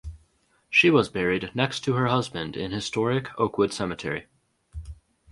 She was buried next to her husband in Historic Oakwood Cemetery.